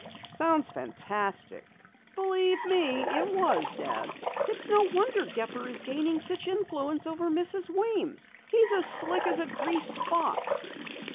"Sounds fantastic." "Believe me, it was, Dad. It's no wonder Gepper is gaining such influence over Mrs. Weems. He's as slick as a greased fox!"